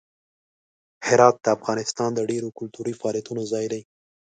هرات د افغانستان د ډیرو کلتوري فعالیتونو ځای دی.